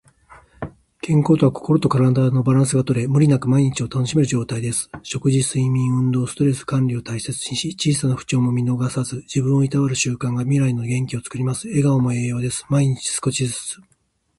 健康とは、心と体のバランスがとれ、無理なく毎日を楽しめる状態です。食事、睡眠、運動、ストレス管理を大切にし、小さな不調も見逃さず、自分をいたわる習慣が未来の元気をつくります。笑顔も栄養です。毎日少しずつ。